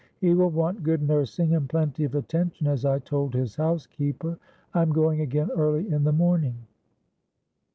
He will want good nursing and plenty of attention, as I told his housekeeper. I am going again early in the morning."